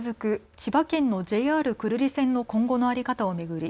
千葉県のＪＲ久留里線の今後の在り方を巡り